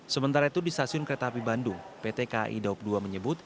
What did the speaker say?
sementara itu di stasiun kereta api bandung pt kai daup dua menyebut